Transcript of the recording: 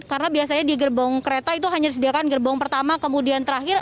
karena biasanya di gerbong kereta itu hanya disediakan gerbong pertama kemudian terakhir